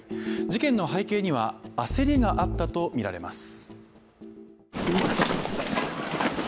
事件の背景には焦りがあったとみられます。